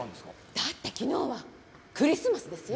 だって昨日はクリスマスですよ。